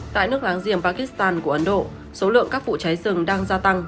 tại nước láng giềng pakistan của ấn độ số lượng các vụ cháy rừng đang gia tăng